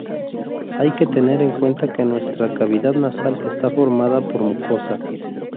Hay que tener en cuenta que nuestra cavidad nasal está formada por mucosa.